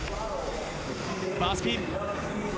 バースピン。